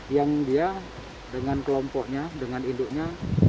yang dia dengan kelompoknya dengan induknya